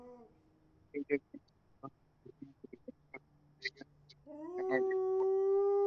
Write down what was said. He designed bridges for the city.